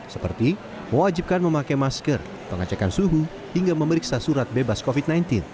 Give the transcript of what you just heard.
seperti mewajibkan memakai masker pengecekan suhu hingga memeriksa surat bebas covid sembilan belas